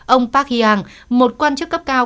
ông park hyang một quan chức cấp cao